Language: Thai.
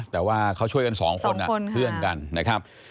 แต่ว่าเค้าช่วยกัน๒คนเปลี่ยนกัน